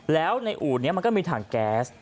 แล้วในอู่นี้มันก็มีถังแก๊ส